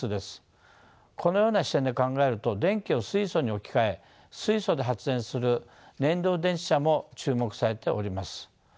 このような視点で考えると電気を水素に置き換え水素で発電する燃料電池車も注目されております。